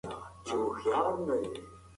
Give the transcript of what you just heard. پوهه کار پیدا کوي.